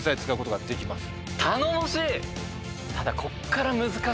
ただ。